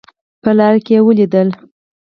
په لاره کې ولیدل.